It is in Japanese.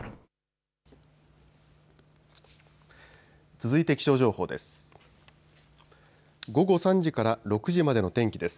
続いて気象情報です。